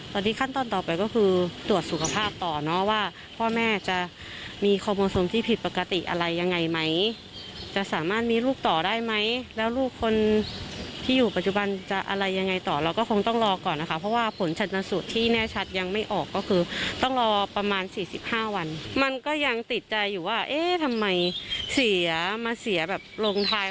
ตอนนี้ขั้นตอนต่อไปก็คือตรวจสุขภาพต่อเนอะว่าพ่อแม่จะมีคอมโมสมที่ผิดปกติอะไรยังไงไหมจะสามารถมีลูกต่อได้ไหมแล้วลูกคนที่อยู่ปัจจุบันจะอะไรยังไงต่อเราก็คงต้องรอก่อนนะคะเพราะว่าผลชนสูตรที่แน่ชัดยังไม่ออกก็คือต้องรอประมาณสี่สิบห้าวันมันก็ยังติดใจอยู่ว่าเอ๊ะทำไมเสียมาเสียแบบลงท้าย